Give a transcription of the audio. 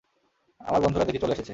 আমার বন্ধুরা দেখি চলে এসেছে!